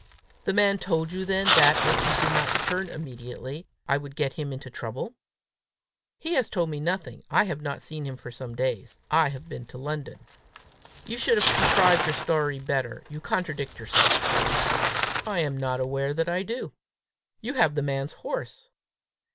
"The man told you then, that, if you did not return immediately, I would get him into trouble?" "He has told me nothing. I have not seen him for some days. I have been to London." "You should have contrived your story better: you contradict yourself." "I am not aware that I do." "You have the man's horse!"